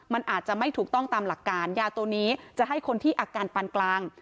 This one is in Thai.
มันอาจจะไม่ถูกต้องตามหลักการยาตัวนี้จะให้คนที่อาการปันกลาง